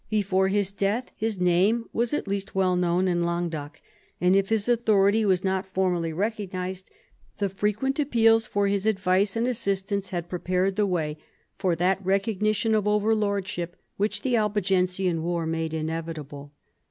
Before his death his name was at least well known in Languedoc, and if his authority was not formally recognised, the frequent appeals for his advice and assistance had prepared the way for that recognition of overlordship which the Albigensian war made inevitable.